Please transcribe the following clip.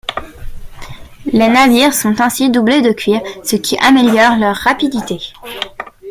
Les navires sont ainsi doublés de cuivre, ce qui améliore leur rapidité.